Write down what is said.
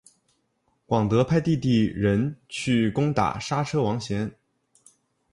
广德派弟弟仁去攻打莎车王贤。